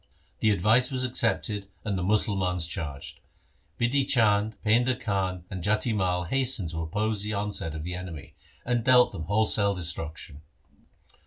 The advice was accepted and the Musalmans charged. Bidhi Chand, Painda Khan, and Jati Mai hastened to oppose the onset of the enemy, and dealt them wholesale destruction.